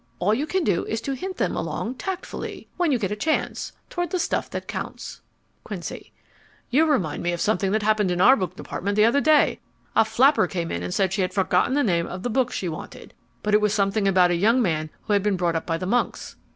All you can do is to hint them along tactfully, when you get a chance, toward the stuff that counts. QUINCY You remind me of something that happened in our book department the other day. A flapper came in and said she had forgotten the name of the book she wanted, but it was something about a young man who had been brought up by the monks.